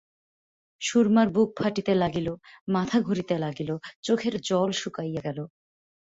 সুরমার বুক ফাটিতে লাগিল, মাথা ঘুরিতে লাগিল, চোখের জল শুকাইয়া গেল।